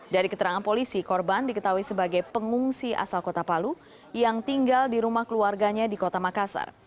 dari keterangan polisi korban diketahui sebagai pengungsi asal kota palu yang tinggal di rumah keluarganya di kota makassar